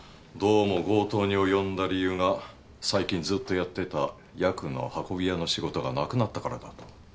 どうも強盗に及んだ理由が最近ずっとやっていたヤクの運び屋の仕事がなくなったからだと。